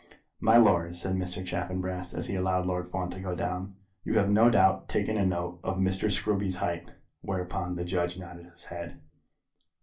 "My lord," said Mr. Chaffanbrass as he allowed Lord Fawn to go down, "you have no doubt taken a note of Mr. Scruby's height." Whereupon the judge nodded his head.